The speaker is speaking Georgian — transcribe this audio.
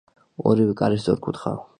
ორივე კარი სწორკუთხაა.